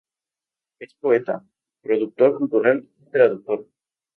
Es poeta, productor cultural y traductor.